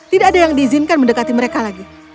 tidak ada yang diizinkan mendekati mereka lagi